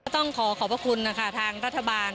ต้องขอขอบพระคุณนะคะทางรัฐบาล